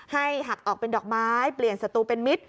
ให้หักออกเป็นดอกไม้เปลี่ยนสตูเป็นมิตร